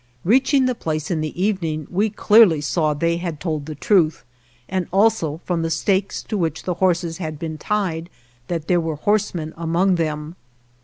Reach ing the place iif the evening, we clearly saw they had told the truth, and also, from the stakes to which the horses had beerftied, that there were horsemen among them.